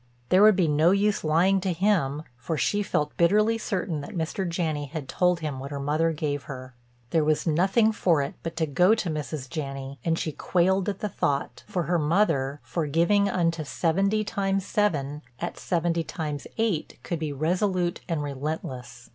There would be no use lying to him for she felt bitterly certain that Mr. Janney had told him what her mother gave her. There was nothing for it but to go to Mrs. Janney and she quailed at the thought, for her mother, forgiving unto seventy times seven, at seventy times eight could be resolute and relentless.